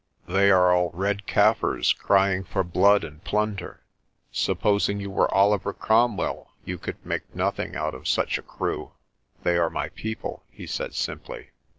They are all red Kaffirs crying for blood and plunder. Supposing you were Oliver Cromwell, you could make nothing out of such a crew." "They are my people," he said simply.